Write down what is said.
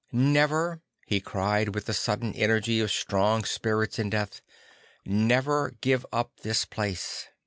cc Never," he cried with the sudden energy of strong spirits in death, cc never give up this place.